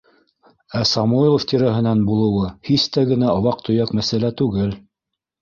Ә Самойлов тирәһенән булыуы һис тә генә ваҡ-төйәк мәсьәлә түгел.